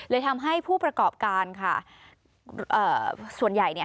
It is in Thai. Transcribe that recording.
ทำให้ผู้ประกอบการค่ะเอ่อส่วนใหญ่เนี่ย